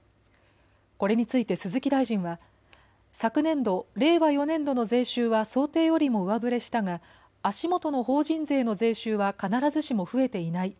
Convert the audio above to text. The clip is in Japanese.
これについて鈴木大臣は昨年度令和４年度の税収は想定よりも上振れしたが足元の法人税の税収は必ずしも増えていない。